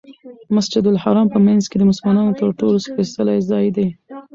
مسجدالحرام په منځ کې د مسلمانانو تر ټولو سپېڅلی ځای دی.